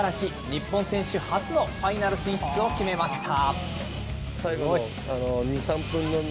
日本選手初のファイナル進出を決めました。